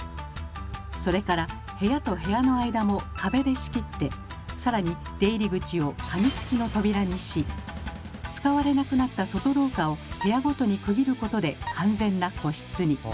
それから部屋と部屋の間も壁で仕切って更に出入り口を鍵付きの扉にし使われなくなった外廊下を部屋ごとに区切ることで完全な個室に。